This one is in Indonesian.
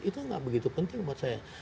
itu nggak begitu penting buat saya